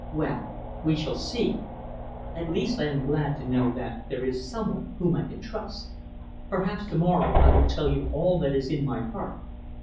Well, we shall see. At least I am glad to know that there is some one whom I can trust. Perhaps to morrow I will tell you all that is in my heart.